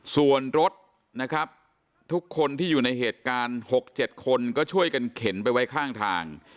ส่วนรถนะครับทุกคนที่อยู่ในเหตุการณ์๖๗คนก็ช่วยกันเข็นไปไว้ข้างทาง